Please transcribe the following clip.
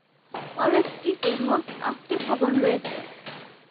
কলেজটিতে মোট পাঁচটি ভবন রয়েছে।